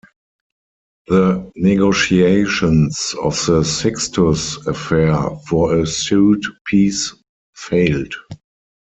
The negotiations of the Sixtus Affair for a sued peace failed.